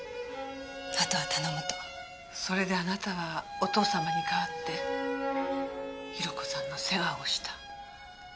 それであなたはお父様に代わって宏子さんの世話をした。